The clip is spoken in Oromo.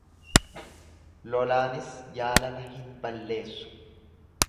Lolaanis jaalala hin balleessu.